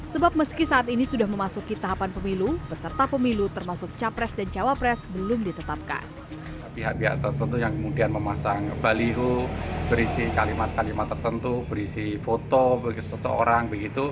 sebab meski saat ini sudah memasuki tahapan pemilu peserta pemilu termasuk capres dan cawapres belum ditetapkan